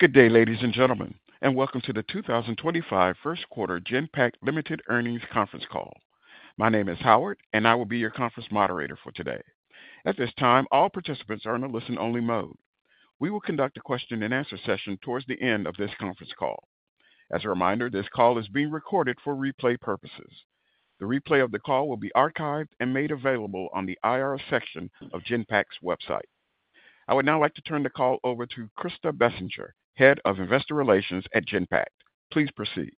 Good day, ladies and gentlemen, and welcome to the 2025 First Quarter Genpact Limited Earnings conference call. My name is Howard, and I will be your conference moderator for today. At this time, all participants are in a listen-only mode. We will conduct a question-and-answer session towards the end of this conference call. As a reminder, this call is being recorded for replay purposes. The replay of the call will be archived and made available on the IR section of Genpact's website. I would now like to turn the call over to Krista Bessinger, Head of Investor Relations at Genpact. Please proceed.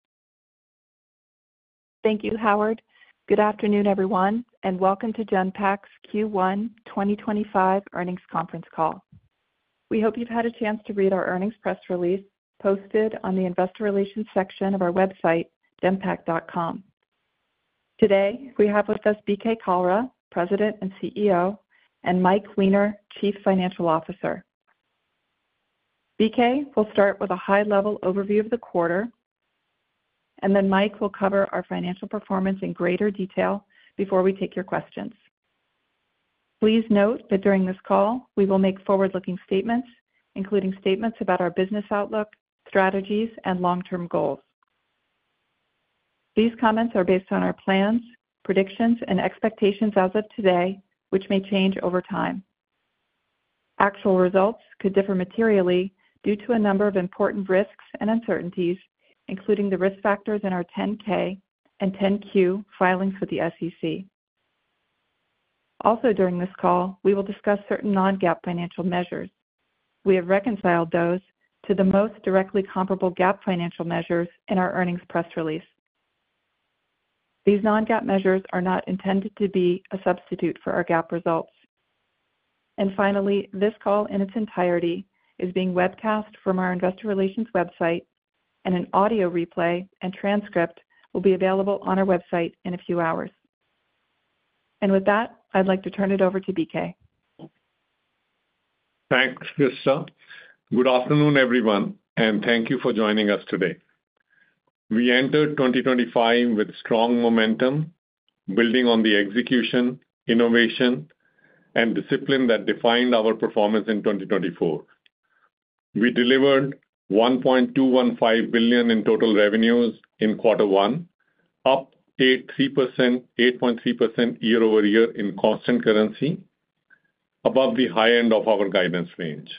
Thank you, Howard. Good afternoon, everyone, and welcome to Genpact's Q1 2025 earnings conference call. We hope you've had a chance to read our earnings press release posted on the Investor Relations section of our website, genpact.com. Today, we have with us B.K. Kalra, President and CEO, and Mike Weiner, Chief Financial Officer. B.K. will start with a high-level overview of the quarter, and then Mike will cover our financial performance in greater detail before we take your questions. Please note that during this call, we will make forward-looking statements, including statements about our business outlook, strategies, and long-term goals. These comments are based on our plans, predictions, and expectations as of today, which may change over time. Actual results could differ materially due to a number of important risks and uncertainties, including the risk factors in our 10-K and 10-Q filings with the SEC. Also, during this call, we will discuss certain non-GAAP financial measures. We have reconciled those to the most directly comparable GAAP financial measures in our earnings press release. These non-GAAP measures are not intended to be a substitute for our GAAP results. Finally, this call in its entirety is being webcast from our Investor Relations website, and an audio replay and transcript will be available on our website in a few hours. With that, I'd like to turn it over to B.K. Thanks, Krista. Good afternoon, everyone, and thank you for joining us today. We entered 2025 with strong momentum, building on the execution, innovation, and discipline that defined our performance in 2024. We delivered $1.215 billion in total revenues in Quarter one, up 8.3% year-over-year in constant currency, above the high end of our guidance range.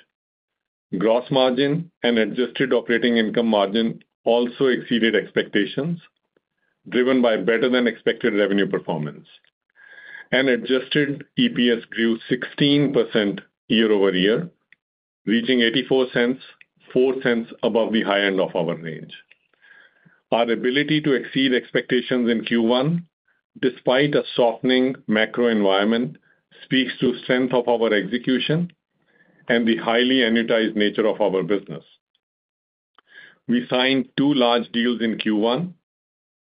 Gross margin and adjusted operating income margin also exceeded expectations, driven by better-than-expected revenue performance. Adjusted EPS grew 16% year-over-year, reaching $0.84, $0.04 above the high end of our range. Our ability to exceed expectations in Q1, despite a softening macro environment, speaks to the strength of our execution and the highly annuitized nature of our business. We signed two large deals in Q1,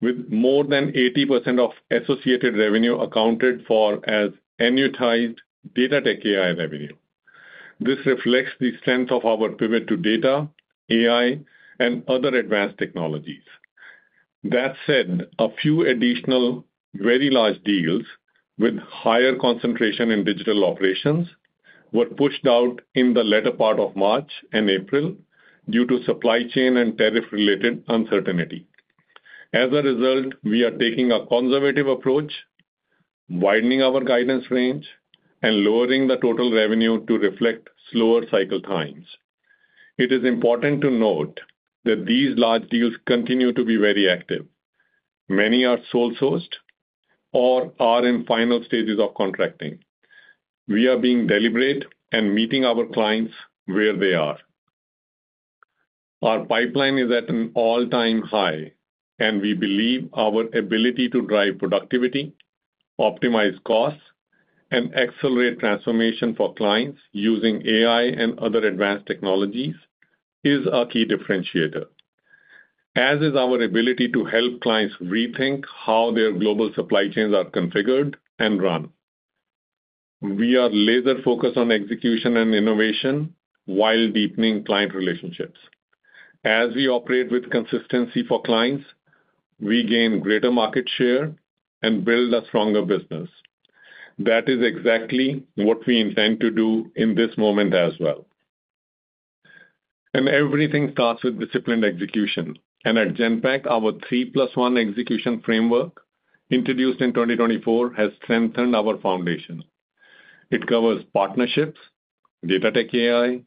with more than 80% of associated revenue accounted for as annuitized data-tech-AI revenue. This reflects the strength of our pivot to data, AI, and other advanced technologies. That said, a few additional very large deals with higher concentration in digital operations were pushed out in the latter part of March and April due to supply chain and tariff-related uncertainty. As a result, we are taking a conservative approach, widening our guidance range, and lowering the total revenue to reflect slower cycle times. It is important to note that these large deals continue to be very active. Many are sole-sourced or are in final stages of contracting. We are being deliberate and meeting our clients where they are. Our pipeline is at an all-time high, and we believe our ability to drive productivity, optimize costs, and accelerate transformation for clients using AI and other advanced technologies is a key differentiator, as is our ability to help clients rethink how their global supply chains are configured and run. We are laser-focused on execution and innovation while deepening client relationships. As we operate with consistency for clients, we gain greater market share and build a stronger business. That is exactly what we intend to do in this moment as well. Everything starts with disciplined execution. At Genpact, our 3 + 1 execution framework, introduced in 2024, has strengthened our foundation. It covers partnerships, data-tech-AI,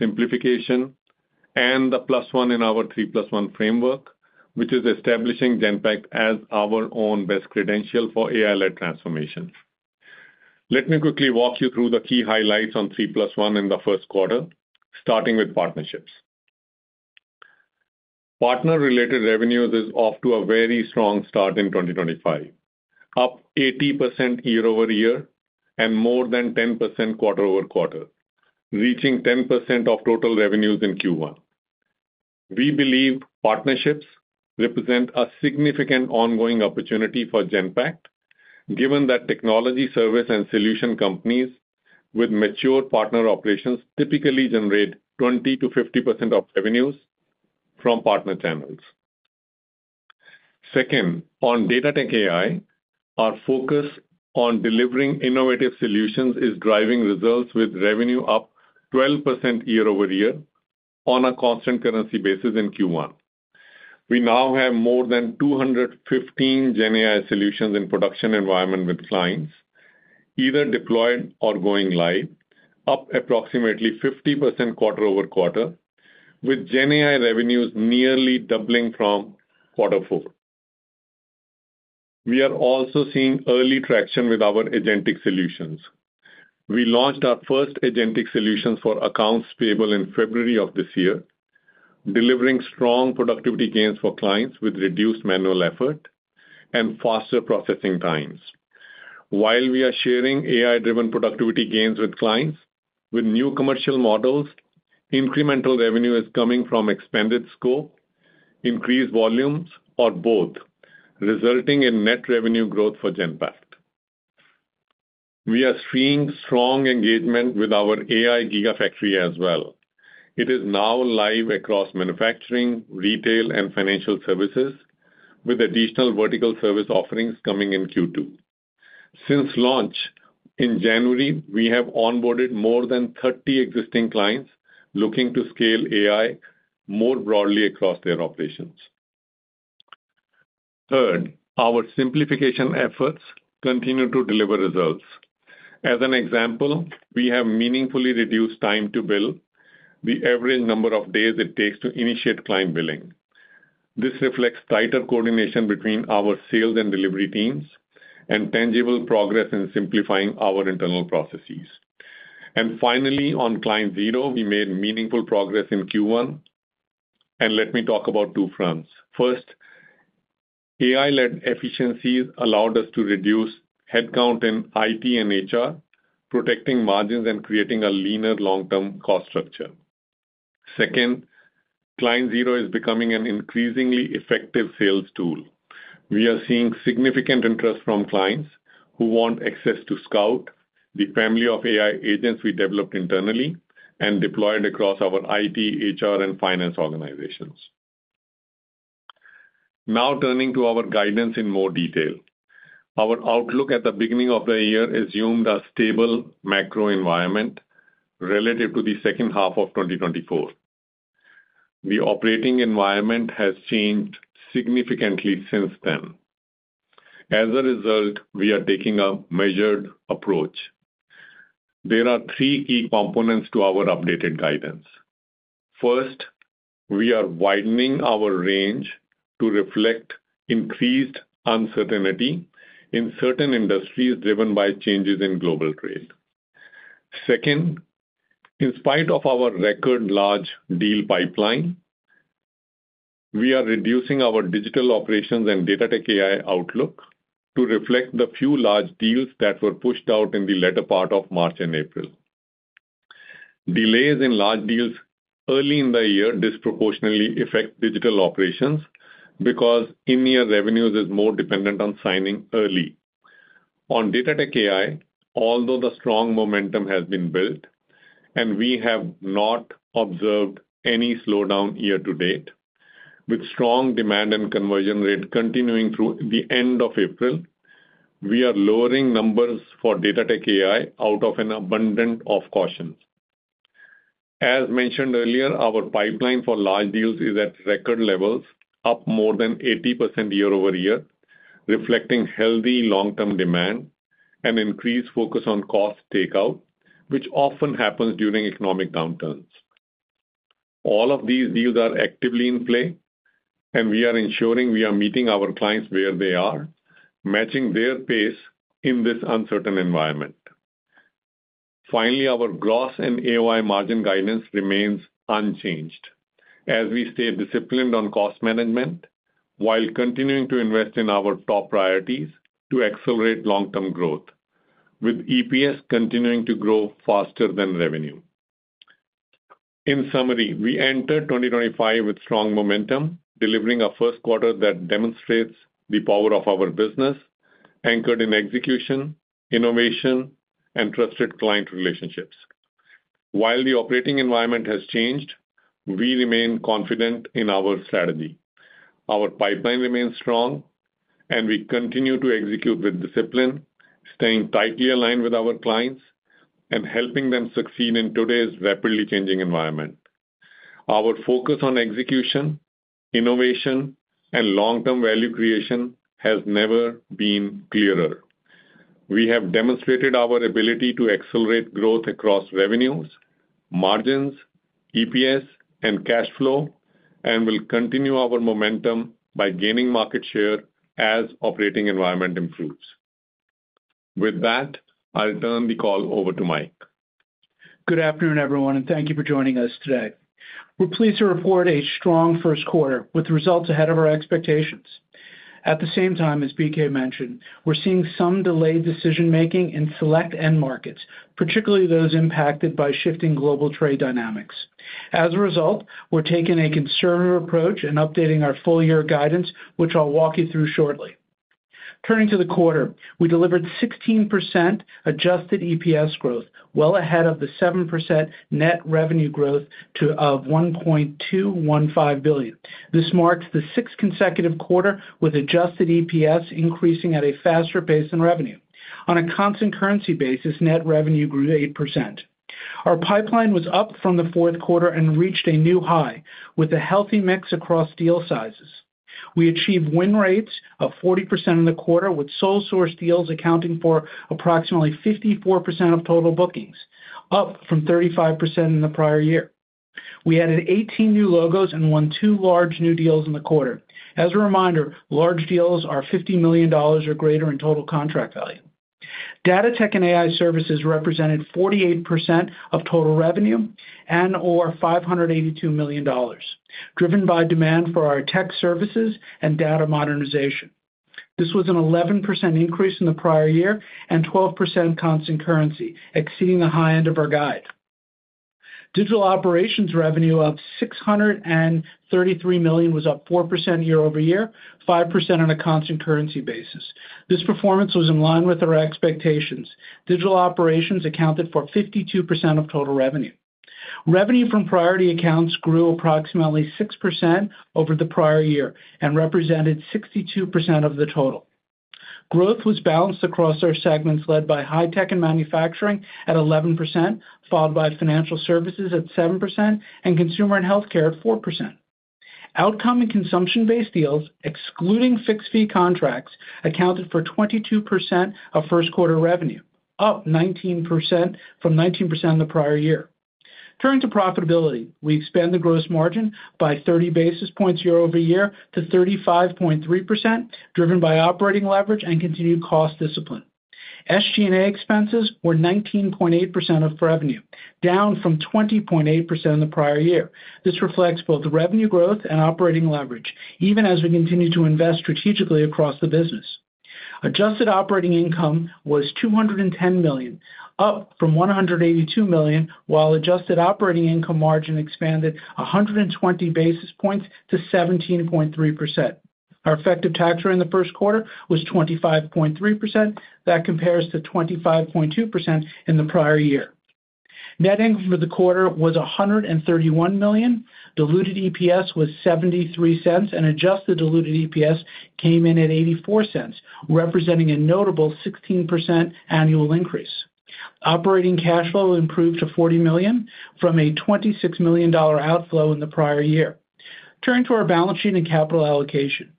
simplification, and the +1 in our 3 + 1 framework, which is establishing Genpact as our own best credential for AI-led transformation. Let me quickly walk you through the key highlights on 3 + 1 in the first quarter, starting with partnerships. Partner-related revenues is off to a very strong start in 2024, up 80% year-over-year and more than 10% quarter-over-quarter, reaching 10% of total revenues in Q1. We believe partnerships represent a significant ongoing opportunity for Genpact, given that technology service and solution companies with mature partner operations typically generate 20%-50% of revenues from partner channels. Second, on data-tech-AI, our focus on delivering innovative solutions is driving results with revenue up 12% year-over-year on a constant currency basis in Q1. We now have more than 215 GenAI solutions in production environment with clients, either deployed or going live, up approximately 50% quarter-over-quarter, with GenAI revenues nearly doubling from Q4. We are also seeing early traction with our agentic solutions. We launched our first agentic solutions for accounts payable in February of this year, delivering strong productivity gains for clients with reduced manual effort and faster processing times. While we are sharing AI-driven productivity gains with clients with new commercial models, incremental revenue is coming from expanded scope, increased volumes, or both, resulting in net revenue growth for Genpact. We are seeing strong engagement with our AI Gigafactory as well. It is now live across manufacturing, retail, and financial services, with additional vertical service offerings coming in Q2. Since launch in January, we have onboarded more than 30 existing clients looking to scale AI more broadly across their operations. Third, our simplification efforts continue to deliver results. As an example, we have meaningfully reduced time to bill, the average number of days it takes to initiate client billing. This reflects tighter coordination between our sales and delivery teams and tangible progress in simplifying our internal processes. Finally, on client zero, we made meaningful progress in Q1. Let me talk about two fronts. First, AI-led efficiencies allowed us to reduce headcount in IT and HR, protecting margins and creating a leaner long-term cost structure. Second, client zero is becoming an increasingly effective sales tool. We are seeing significant interest from clients who want access to Scout, the family of AI agents we developed internally and deployed across our IT, HR, and finance organizations. Now turning to our guidance in more detail, our outlook at the beginning of the year assumed a stable macro environment relative to the second half of 2024. The operating environment has changed significantly since then. As a result, we are taking a measured approach. There are three key components to our updated guidance. First, we are widening our range to reflect increased uncertainty in certain industries driven by changes in global trade. Second, in spite of our record-large deal pipeline, we are reducing our digital operations and data-tech-AI outlook to reflect the few large deals that were pushed out in the latter part of March and April. Delays in large deals early in the year disproportionately affect digital operations because in-year revenues are more dependent on signing early. On data-tech-AI, although the strong momentum has been built and we have not observed any slowdown year to date, with strong demand and conversion rate continuing through the end of April, we are lowering numbers for data-tech-AI out of an abundance of caution. As mentioned earlier, our pipeline for large deals is at record levels, up more than 80% year-over-year, reflecting healthy long-term demand and increased focus on cost takeout, which often happens during economic downturns. All of these deals are actively in play, and we are ensuring we are meeting our clients where they are, matching their pace in this uncertain environment. Finally, our gross and AOI margin guidance remains unchanged, as we stay disciplined on cost management while continuing to invest in our top priorities to accelerate long-term growth, with EPS continuing to grow faster than revenue. In summary, we entered 2025 with strong momentum, delivering a first quarter that demonstrates the power of our business anchored in execution, innovation, and trusted client relationships. While the operating environment has changed, we remain confident in our strategy. Our pipeline remains strong, and we continue to execute with discipline, staying tightly aligned with our clients and helping them succeed in today's rapidly changing environment. Our focus on execution, innovation, and long-term value creation has never been clearer. We have demonstrated our ability to accelerate growth across revenues, margins, EPS, and cash flow, and will continue our momentum by gaining market share as operating environment improves. With that, I'll turn the call over to Mike. Good afternoon, everyone, and thank you for joining us today. We're pleased to report a strong first quarter with results ahead of our expectations. At the same time, as B.K. mentioned, we're seeing some delayed decision-making in select end markets, particularly those impacted by shifting global trade dynamics. As a result, we're taking a conservative approach and updating our full-year guidance, which I'll walk you through shortly. Turning to the quarter, we delivered 16% adjusted EPS growth, well ahead of the 7% net revenue growth of $1.215 billion. This marks the sixth consecutive quarter with adjusted EPS increasing at a faster pace than revenue. On a constant currency basis, net revenue grew 8%. Our pipeline was up from the fourth quarter and reached a new high with a healthy mix across deal sizes. We achieved win rates of 40% in the quarter, with sole-sourced deals accounting for approximately 54% of total bookings, up from 35% in the prior year. We added 18 new logos and won two large new deals in the quarter. As a reminder, large deals are $50 million or greater in total contract value. Data-tech-AI services represented 48% of total revenue and/or $582 million, driven by demand for our tech services and data modernization. This was an 11% increase in the prior year and 12% constant currency, exceeding the high end of our guide. Digital operations revenue of $633 million was up 4% year-over-year, 5% on a constant currency basis. This performance was in line with our expectations. Digital operations accounted for 52% of total revenue. Revenue from priority accounts grew approximately 6% over the prior year and represented 62% of the total. Growth was balanced across our segments led by high tech and manufacturing at 11%, followed by financial services at 7%, and consumer and healthcare at 4%. Outcome and consumption-based deals, excluding fixed-fee contracts, accounted for 22% of first-quarter revenue, up from 19% in the prior year. Turning to profitability, we expanded the gross margin by 30 bps year-over-year to 35.3%, driven by operating leverage and continued cost discipline. SG&A expenses were 19.8% of revenue, down from 20.8% in the prior year. This reflects both revenue growth and operating leverage, even as we continue to invest strategically across the business. Adjusted operating income was $210 million, up from $182 million, while adjusted operating income margin expanded 120 bps to 17.3%. Our effective tax rate in the first quarter was 25.3%. That compares to 25.2% in the prior year. Net income for the quarter was $131 million. Diluted EPS was $0.73, and adjusted diluted EPS came in at $0.84, representing a notable 16% annual increase. Operating cash flow improved to $40 million from a $26 million outflow in the prior year. Turning to our balance sheet and capital allocation,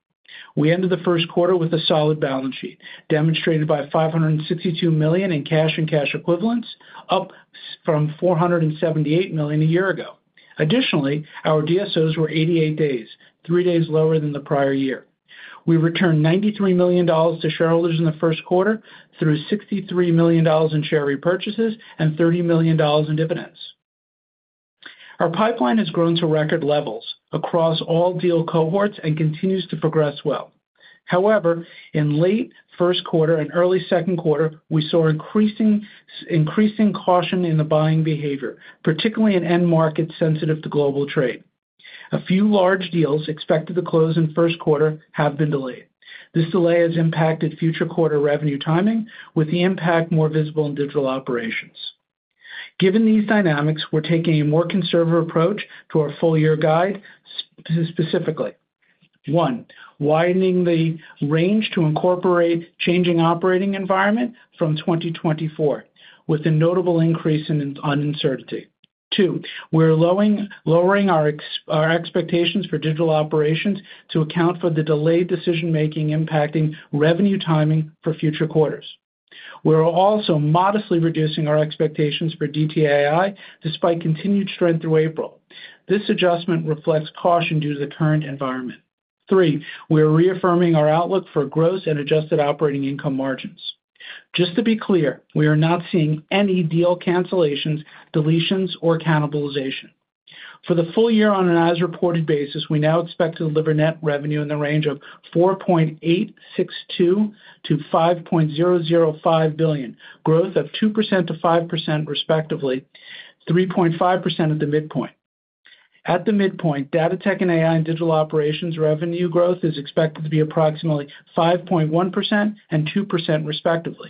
we ended the first quarter with a solid balance sheet, demonstrated by $562 million in cash and cash equivalents, up from $478 million a year ago. Additionally, our DSOs were 88 days, three days lower than the prior year. We returned $93 million to shareholders in the first quarter through $63 million in share repurchases and $30 million in dividends. Our pipeline has grown to record levels across all deal cohorts and continues to progress well. However, in late first quarter and early second quarter, we saw increasing caution in the buying behavior, particularly in end markets sensitive to global trade. A few large deals expected to close in first quarter have been delayed. This delay has impacted future quarter revenue timing, with the impact more visible in digital operations. Given these dynamics, we're taking a more conservative approach to our full-year guide, specifically: one, widening the range to incorporate changing operating environment from 2024, with a notable increase in uncertainty. Two, we're lowering our expectations for digital operations to account for the delayed decision-making impacting revenue timing for future quarters. We're also modestly reducing our expectations for DTAI, despite continued strength through April. This adjustment reflects caution due to the current environment. Three, we're reaffirming our outlook for gross and adjusted operating income margins. Just to be clear, we are not seeing any deal cancellations, deletions, or cannibalization. For the full year on an as-reported basis, we now expect to deliver net revenue in the range of $4.862 billion-$5.005 billion, growth of 2%-5%, respectively, 3.5% at the midpoint. At the midpoint, data-tech-AI and digital operations revenue growth is expected to be approximately 5.1% and 2%, respectively.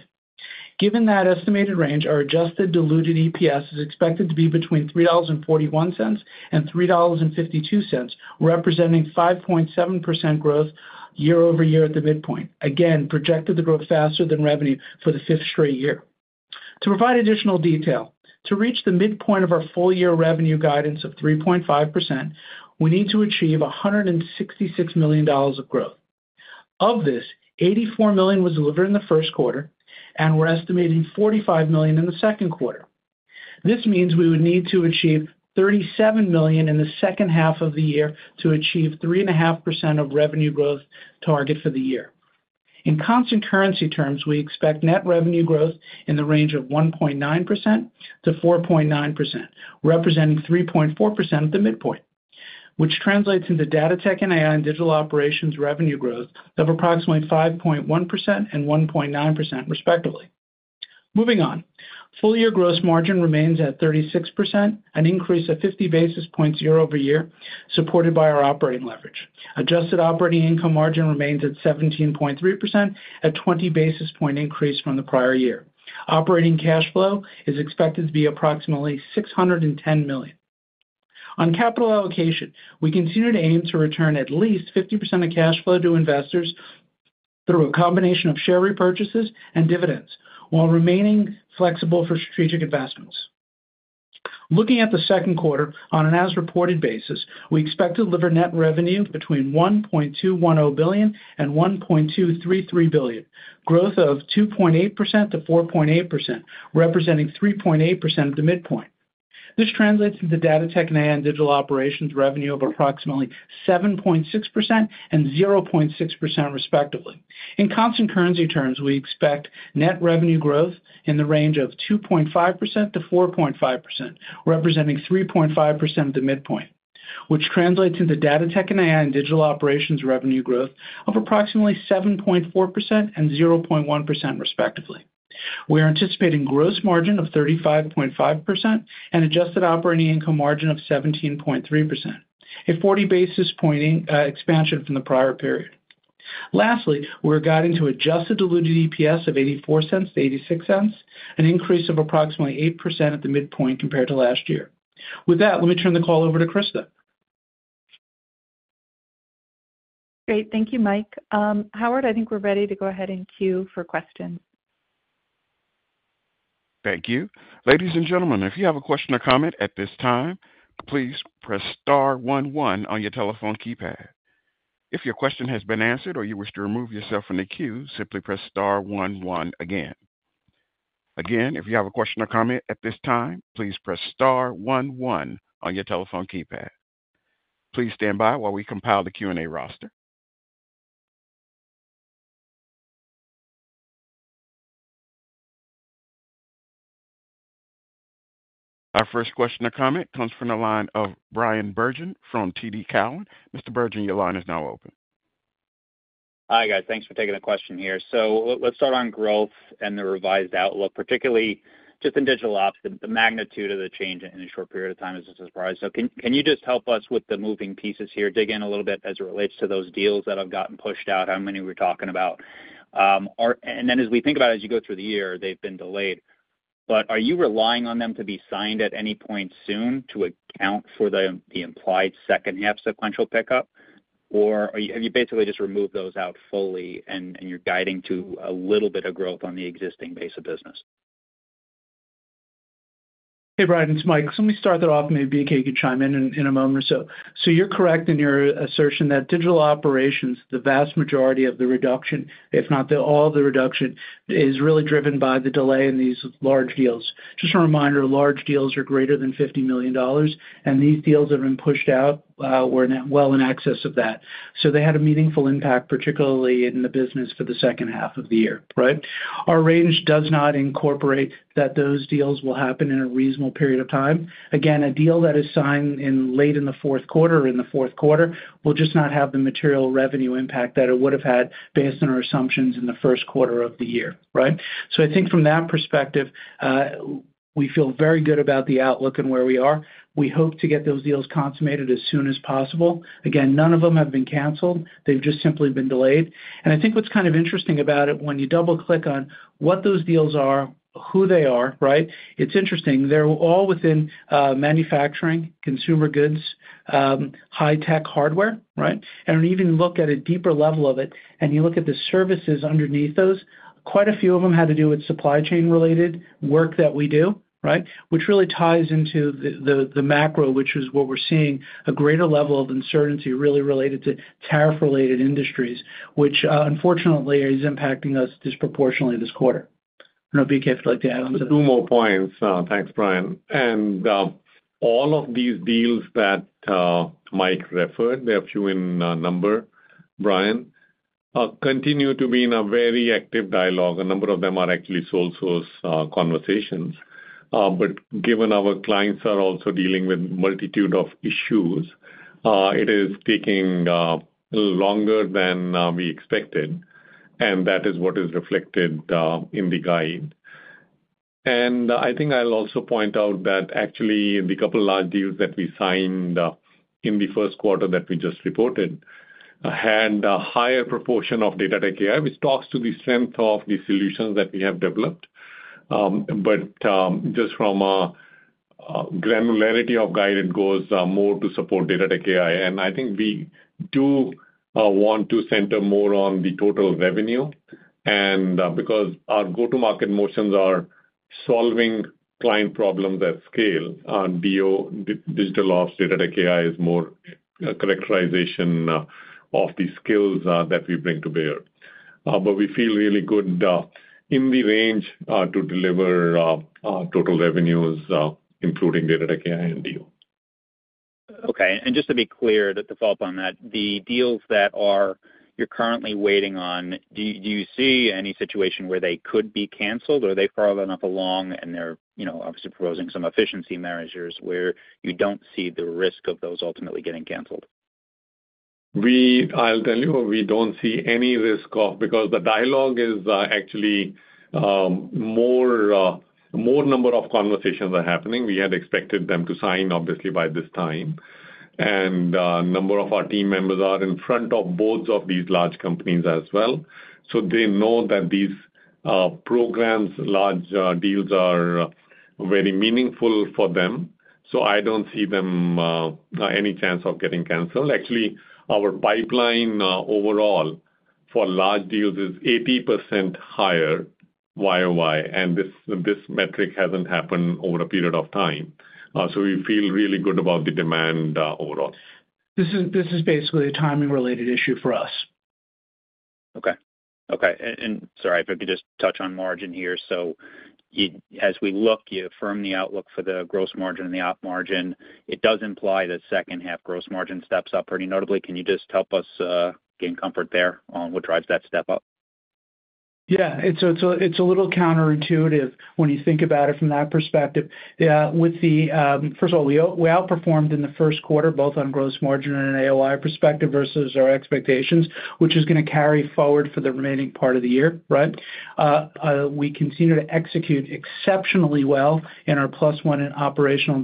Given that estimated range, our adjusted diluted EPS is expected to be between $3.41 and $3.52, representing 5.7% growth year-over-year at the midpoint, again, projected to grow faster than revenue for the fifth straight year. To provide additional detail, to reach the midpoint of our full-year revenue guidance of 3.5%, we need to achieve $166 million of growth. Of this, $84 million was delivered in the first quarter, and we're estimating $45 million in the second quarter. This means we would need to achieve $37 million in the second half of the year to achieve 3.5% of revenue growth target for the year. In constant currency terms, we expect net revenue growth in the range of 1.9%-4.9%, representing 3.4% at the midpoint, which translates into data-tech-AI and digital operations revenue growth of approximately 5.1% and 1.9%, respectively. Moving on, full-year gross margin remains at 36%, an increase of 50 bps year-over-year, supported by our operating leverage. Adjusted operating income margin remains at 17.3%, a 20 bp increase from the prior year. Operating cash flow is expected to be approximately $610 million. On capital allocation, we continue to aim to return at least 50% of cash flow to investors through a combination of share repurchases and dividends, while remaining flexible for strategic investments. Looking at the second quarter, on an as-reported basis, we expect to deliver net revenue between $1.210 billion and $1.233 billion, growth of 2.8%-4.8%, representing 3.8% at the midpoint. This translates into data-tech-AI and digital operations revenue growth of approximately 7.6% and 0.6%, respectively. In constant currency terms, we expect net revenue growth in the range of 2.5%-4.5%, representing 3.5% at the midpoint, which translates into data-tech-AI and digital operations revenue growth of approximately 7.4% and 0.1%, respectively. We are anticipating gross margin of 35.5% and adjusted operating income margin of 17.3%, a 40 bp expansion from the prior period. Lastly, we're guiding to adjusted diluted EPS of $0.84-$0.86, an increase of approximately 8% at the midpoint compared to last year. With that, let me turn the call over to Krista. Great. Thank you, Mike. Howard, I think we're ready to go ahead and queue for questions. Thank you. Ladies and gentlemen, if you have a question or comment at this time, please press star one one on your telephone keypad. If your question has been answered or you wish to remove yourself from the queue, simply press star one one again. Again, if you have a question or comment at this time, please press star one one on your telephone keypad. Please stand by while we compile the Q&A roster. Our first question or comment comes from the line of Bryan Bergin from TD Cowen. Mr. Bergin, your line is now open. Hi, guys. Thanks for taking the question here. Let's start on growth and the revised outlook, particularly just in digital ops. The magnitude of the change in a short period of time is a surprise. Can you just help us with the moving pieces here, dig in a little bit as it relates to those deals that have gotten pushed out, how many we're talking about? As we think about it, as you go through the year, they've been delayed. Are you relying on them to be signed at any point soon to account for the implied second-half sequential pickup? Or have you basically just removed those out fully and you're guiding to a little bit of growth on the existing base of business? Hey, Brian. It's Mike. Let me start that off, and maybe B.K. could chime in in a moment or so. You're correct in your assertion that digital operations, the vast majority of the reduction, if not all of the reduction, is really driven by the delay in these large deals. Just a reminder, large deals are greater than $50 million, and these deals have been pushed out. We're well in excess of that. They had a meaningful impact, particularly in the business for the second half of the year, right? Our range does not incorporate that those deals will happen in a reasonable period of time. Again, a deal that is signed late in the fourth quarter or in the fourth quarter will just not have the material revenue impact that it would have had based on our assumptions in the first quarter of the year, right? I think from that perspective, we feel very good about the outlook and where we are. We hope to get those deals consummated as soon as possible. Again, none of them have been canceled. They've just simply been delayed. I think what's kind of interesting about it, when you double-click on what those deals are, who they are, right? It's interesting. They're all within manufacturing, consumer goods, high-tech hardware, right? Even look at a deeper level of it, and you look at the services underneath those, quite a few of them had to do with supply chain-related work that we do, right? Which really ties into the macro, which is what we're seeing, a greater level of uncertainty really related to tariff-related industries, which unfortunately is impacting us disproportionately this quarter. I don't know if B.K. would like to add on to that. Two more points. Thanks, Brian. All of these deals that Mike referred, there are a few in number, Brian, continue to be in a very active dialogue. A number of them are actually sole-source conversations. Given our clients are also dealing with a multitude of issues, it is taking longer than we expected, and that is what is reflected in the guide. I think I'll also point out that actually the couple of large deals that we signed in the first quarter that we just reported had a higher proportion of data-tech-AI, which talks to the strength of the solutions that we have developed. Just from a granularity of guide, it goes more to support data-tech-AI. I think we do want to center more on the total revenue because our go-to-market motions are solving client problems at scale. DO, digital ops, data tech AI is more characterization of the skills that we bring to bear. We feel really good in the range to deliver total revenues, including data tech AI and DO. Okay. Just to be clear, to follow up on that, the deals that you're currently waiting on, do you see any situation where they could be canceled? Are they far enough along, and they're obviously proposing some efficiency measures where you don't see the risk of those ultimately getting canceled? I'll tell you, we don't see any risk of because the dialogue is actually more number of conversations are happening. We had expected them to sign, obviously, by this time. A number of our team members are in front of both of these large companies as well. They know that these programs, large deals are very meaningful for them. I don't see them any chance of getting canceled. Actually, our pipeline overall for large deals is 80% higher YOY, and this metric hasn't happened over a period of time. We feel really good about the demand overall. This is basically a timing-related issue for us. Okay. Okay. Sorry, if I could just touch on margin here. As we look, you affirm the outlook for the gross margin and the op margin. It does imply that second-half gross margin steps up pretty notably. Can you just help us gain comfort there on what drives that step up? Yeah. So it's a little counterintuitive when you think about it from that perspective. First of all, we outperformed in the first quarter, both on gross margin and AOI perspective versus our expectations, which is going to carry forward for the remaining part of the year, right? We continue to execute exceptionally well in our plus one in operational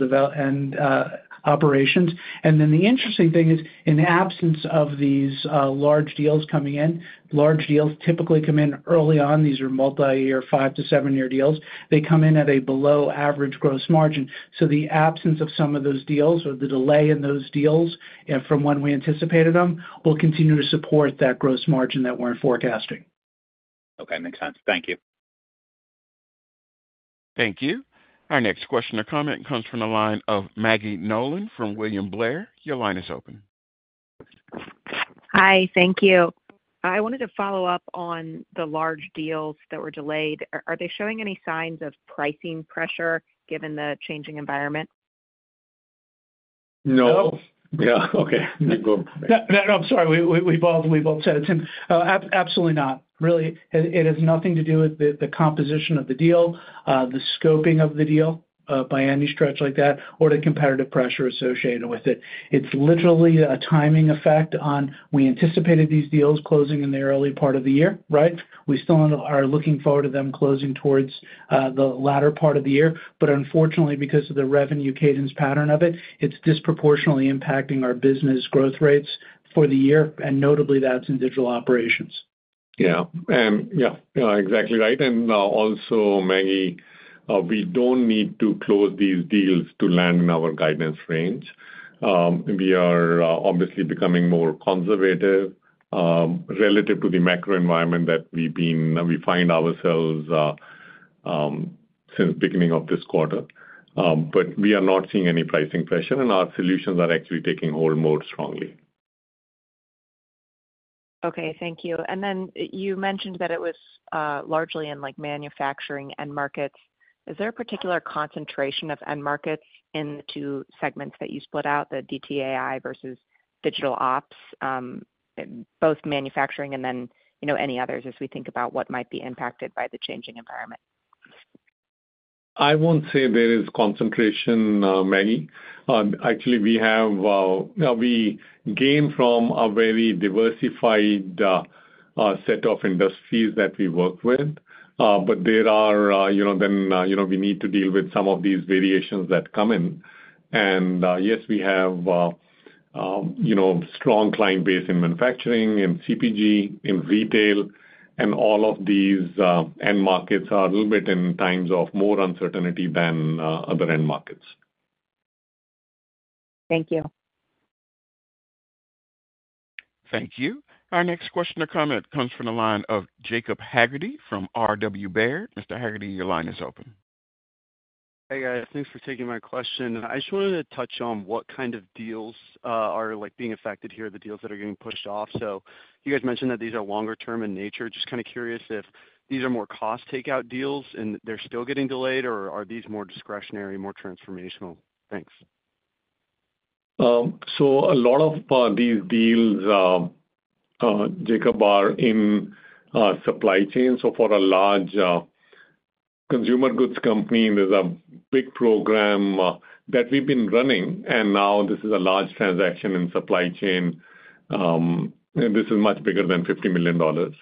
operations. The interesting thing is, in the absence of these large deals coming in, large deals typically come in early on. These are multi-year, five- to seven-year deals. They come in at a below-average gross margin. The absence of some of those deals or the delay in those deals from when we anticipated them will continue to support that gross margin that we're forecasting. Okay. Makes sense. Thank you. Thank you. Our next question or comment comes from the line of Maggie Nolan from William Blair. Your line is open. Hi. Thank you. I wanted to follow up on the large deals that were delayed. Are they showing any signs of pricing pressure given the changing environment? No. No? Yeah. Okay. You go right ahead. No, no. I'm sorry. We both said it's absolutely not. Really, it has nothing to do with the composition of the deal, the scoping of the deal by any stretch like that, or the competitive pressure associated with it. It's literally a timing effect on we anticipated these deals closing in the early part of the year, right? We still are looking forward to them closing towards the latter part of the year. Unfortunately, because of the revenue cadence pattern of it, it's disproportionately impacting our business growth rates for the year. Notably, that's in digital operations. Yeah. Yeah, exactly right. Also, Maggie, we do not need to close these deals to land in our guidance range. We are obviously becoming more conservative relative to the macro environment that we find ourselves in since the beginning of this quarter. We are not seeing any pricing pressure, and our solutions are actually taking hold more strongly. Okay. Thank you. You mentioned that it was largely in manufacturing end markets. Is there a particular concentration of end markets in the two segments that you split out, the DTAI versus digital ops, both manufacturing and then any others, as we think about what might be impacted by the changing environment? I won't say there is concentration, Maggie. Actually, we gain from a very diversified set of industries that we work with. There are, then we need to deal with some of these variations that come in. Yes, we have strong client base in manufacturing, in CPG, in retail. All of these end markets are a little bit in times of more uncertainty than other end markets. Thank you. Thank you. Our next question or comment comes from the line of Jacob Haggarty from RW Baird. Mr. Haggarty, your line is open. Hey, guys. Thanks for taking my question. I just wanted to touch on what kind of deals are being affected here, the deals that are getting pushed off. You guys mentioned that these are longer-term in nature. Just kind of curious if these are more cost takeout deals and they're still getting delayed, or are these more discretionary, more transformational? Thanks. A lot of these deals, Jacob, are in supply chain. For a large consumer goods company, there's a big program that we've been running. Now this is a large transaction in supply chain. This is much bigger than $50 million.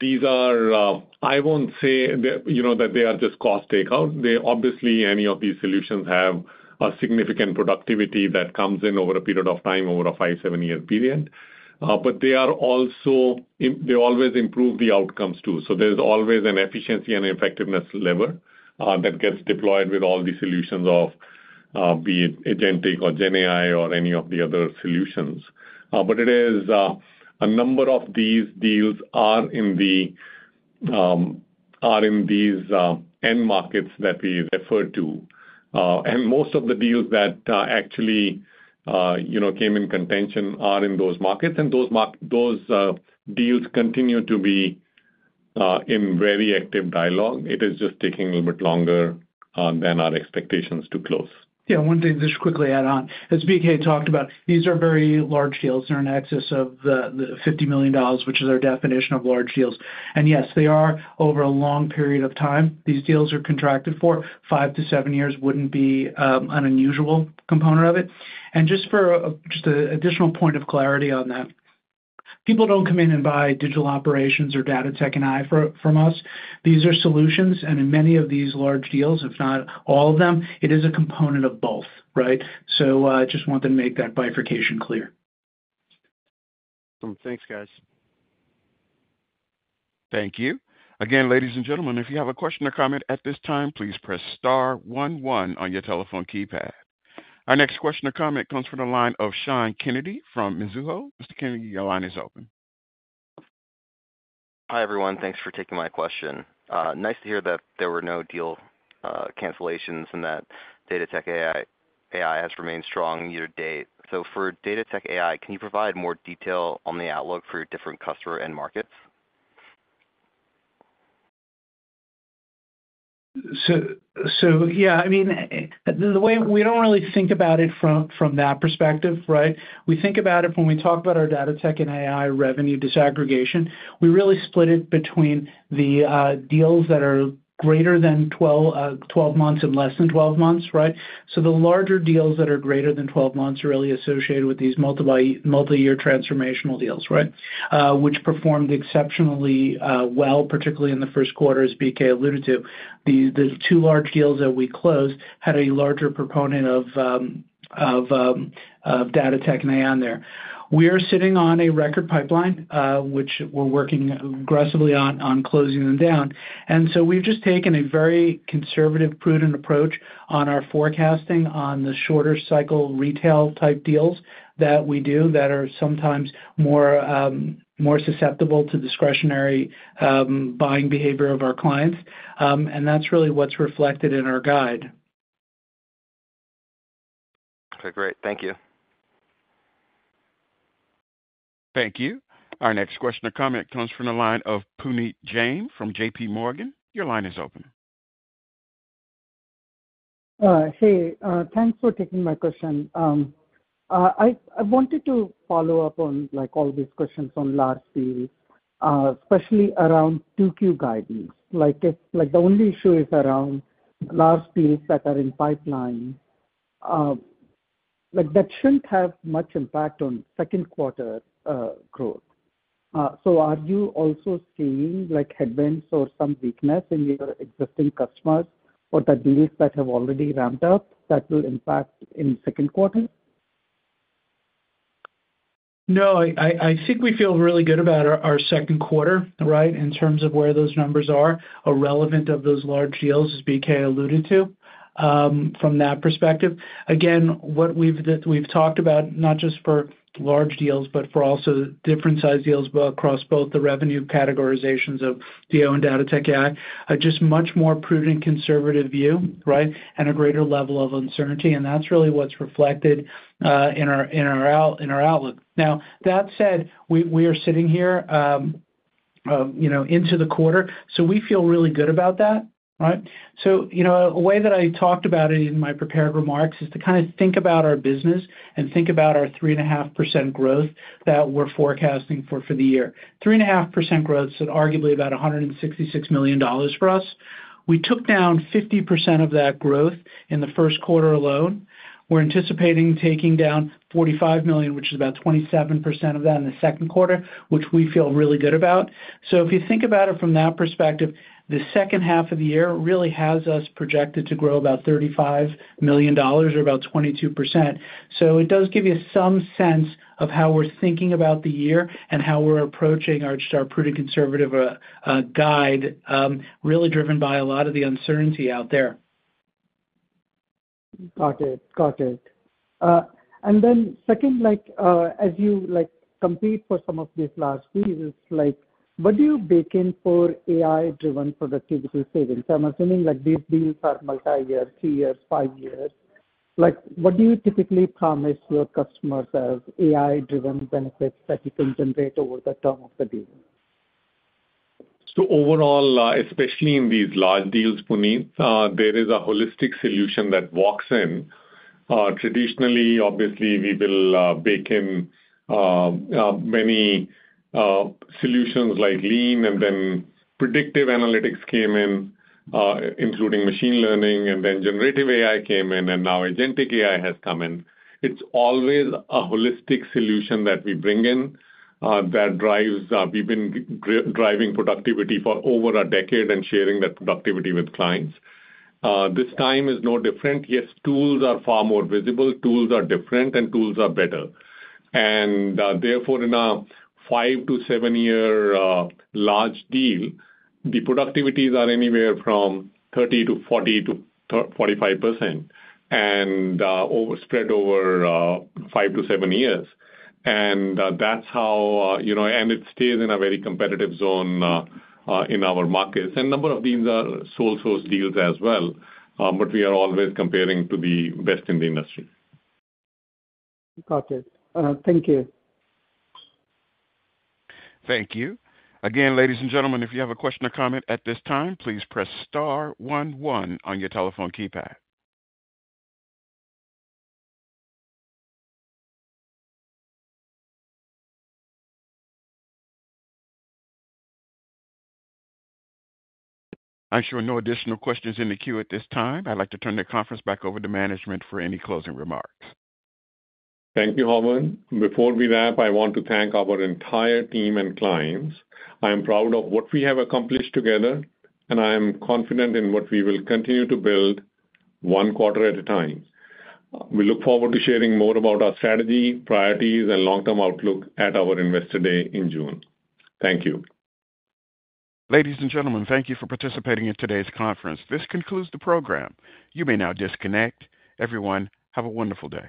These are, I won't say that they are just cost takeout. Obviously, any of these solutions have a significant productivity that comes in over a period of time, over a five- to seven-year period. They always improve the outcomes too. There's always an efficiency and effectiveness lever that gets deployed with all the solutions, be it Agentic or GenAI or any of the other solutions. A number of these deals are in these end markets that we refer to. Most of the deals that actually came in contention are in those markets. Those deals continue to be in very active dialogue. It is just taking a little bit longer than our expectations to close. Yeah. One thing just to quickly add on. As B.K. talked about, these are very large deals. They're in excess of the $50 million, which is our definition of large deals. Yes, they are over a long period of time. These deals are contracted for five to seven years would not be an unusual component of it. Just for an additional point of clarity on that, people do not come in and buy digital operations or data-tech-AI from us. These are solutions. In many of these large deals, if not all of them, it is a component of both, right? I just wanted to make that bifurcation clear. Awesome. Thanks, guys. Thank you. Again, ladies and gentlemen, if you have a question or comment at this time, please press star 11 on your telephone keypad. Our next question or comment comes from the line of Sean Kennedy from Mizuho. Mr. Kennedy, your line is open. Hi everyone. Thanks for taking my question. Nice to hear that there were no deal cancellations and that data-tech-AI has remained strong year to date. For data-tech-AI, can you provide more detail on the outlook for your different customer end markets? Yeah, I mean, the way we don't really think about it from that perspective, right? We think about it when we talk about our data-tech-AI revenue disaggregation. We really split it between the deals that are greater than 12 months and less than 12 months, right? The larger deals that are greater than 12 months are really associated with these multi-year transformational deals, right, which performed exceptionally well, particularly in the first quarter, as B.K. alluded to. The two large deals that we closed had a larger proponent of data-tech-AI in there. We are sitting on a record pipeline, which we're working aggressively on closing down. We have just taken a very conservative, prudent approach on our forecasting on the shorter cycle retail type deals that we do that are sometimes more susceptible to discretionary buying behavior of our clients. That is really what's reflected in our guide. Okay. Great. Thank you. Thank you. Our next question or comment comes from the line of Puneet Jain from JPMorgan. Your line is open. Hey, thanks for taking my question. I wanted to follow up on all these questions on large deals, especially around 2Q guidance. The only issue is around large deals that are in pipeline that shouldn't have much impact on second quarter growth. Are you also seeing headwinds or some weakness in your existing customers or the deals that have already ramped up that will impact in second quarter? No, I think we feel really good about our second quarter, right, in terms of where those numbers are, or relevant of those large deals, as B.K. alluded to, from that perspective. Again, what we've talked about, not just for large deals, but for also different size deals across both the revenue categorizations of DO and data tech AI, just much more prudent, conservative view, right, and a greater level of uncertainty. That's really what's reflected in our outlook. Now, that said, we are sitting here into the quarter, so we feel really good about that, right? A way that I talked about it in my prepared remarks is to kind of think about our business and think about our 3.5% growth that we're forecasting for the year. 3.5% growth is arguably about $166 million for us. We took down 50% of that growth in the first quarter alone. We're anticipating taking down $45 million, which is about 27% of that in the second quarter, which we feel really good about. If you think about it from that perspective, the second half of the year really has us projected to grow about $35 million or about 22%. It does give you some sense of how we're thinking about the year and how we're approaching our prudent, conservative guide, really driven by a lot of the uncertainty out there. Got it. Got it. Then second, as you compete for some of these large deals, what do you bake in for AI-driven productivity savings? I'm assuming these deals are multi-year, two years, five years. What do you typically promise your customers as AI-driven benefits that you can generate over the term of the deal? Overall, especially in these large deals, Puneet, there is a holistic solution that walks in. Traditionally, obviously, we will bake in many solutions like lean, and then predictive analytics came in, including machine learning, and then generative AI came in, and now Agentic AI has come in. It's always a holistic solution that we bring in that drives—we've been driving productivity for over a decade and sharing that productivity with clients. This time is no different. Yes, tools are far more visible. Tools are different, and tools are better. Therefore, in a five- to seven-year large deal, the productivities are anywhere from 30% to 40% to 45% and spread over five to seven years. That's how it stays in a very competitive zone in our markets. A number of these are sole-source deals as well, but we are always comparing to the best in the industry. Got it. Thank you. Thank you. Again, ladies and gentlemen, if you have a question or comment at this time, please press star one one on your telephone keypad. I'm showing no additional questions in the queue at this time. I'd like to turn the conference back over to management for any closing remarks. Thank you, Howard. Before we wrap, I want to thank our entire team and clients. I am proud of what we have accomplished together, and I am confident in what we will continue to build one quarter at a time. We look forward to sharing more about our strategy, priorities, and long-term outlook at our investor day in June. Thank you. Ladies and gentlemen, thank you for participating in today's conference. This concludes the program. You may now disconnect. Everyone, have a wonderful day.